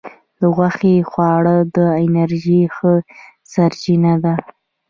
د غوښې خواړه د انرژی ښه سرچینه ده.